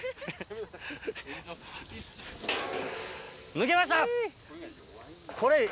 抜けました！